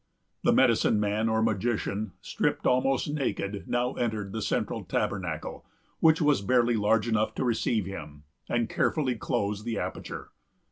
The medicine man, or magician, stripped almost naked, now entered the central tabernacle, which was barely large enough to receive him, and carefully closed the aperture.